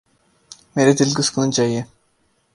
میرے دل کو سکون چایئے